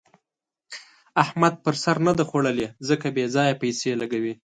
احمد پر سر نه ده خوړلې؛ ځکه بې ځايه پيسې لګوي.